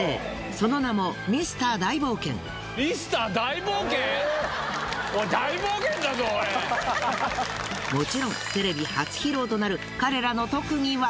その名ももちろんテレビ初披露となる彼らの特技は。